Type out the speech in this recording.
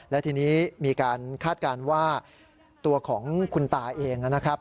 และทีนี้มีการคาดการณ์ว่าตัวของคุณตาเองนะครับ